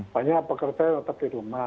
banyak pekerja yang tetap di rumah